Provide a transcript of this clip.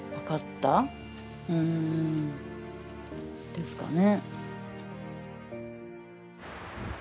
ですかね。